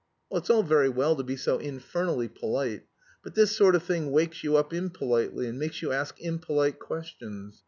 "It's all very well to be so infernally polite. But this sort of thing wakes you up impolitely, and makes you ask impolite questions.